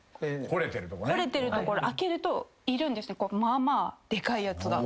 掘れてるところ開けるといるんですねまあまあでかいやつが。